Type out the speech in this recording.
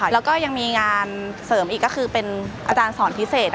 แล้วก็ยังมีงานเสริมอีกก็คือเป็นอาจารย์สอนพิเศษ